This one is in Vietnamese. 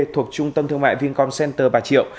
thuộc trung tâm thương mại vincom center bà triệu